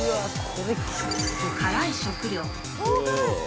辛い食料。